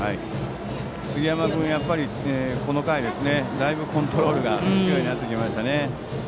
杉山君、この回だいぶコントロールがつくようになってきましたね。